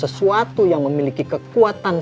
sesuatu yang memiliki kekuatan